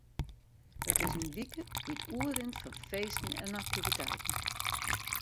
It is in wike dy't oerrint fan feesten en aktiviteiten.